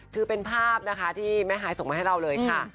คือเป็นภาพนะคะที่แม่ฮายส่งมาให้เราเลยค่ะ